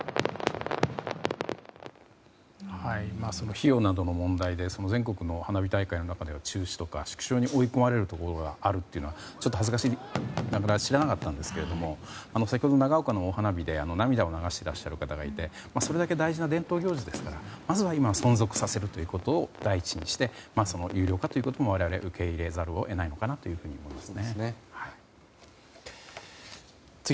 費用などの問題で全国の花火大会の中では中止とか縮小に追い込まれるところがあるというのはちょっと恥ずかしながら知らなかったんですけど先ほど長岡の花火で涙を流す方がいてそれだけ大事な伝統行事ですからまずは今、存続させるということを第一にして有料化というのも我々は受け入れざるを得ないのかなと思います。